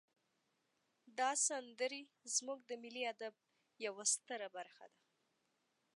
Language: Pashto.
دا سندرې زمونږ د ملی ادب یوه ستره برخه ده.